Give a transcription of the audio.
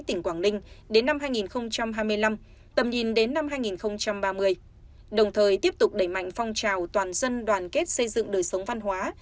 tỉnh quảng ninh đến năm hai nghìn hai mươi năm tầm nhìn đến năm hai nghìn ba mươi đồng thời tiếp tục đẩy mạnh phong trào toàn dân đoàn kết xây dựng đời sống văn hóa